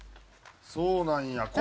そうなんや。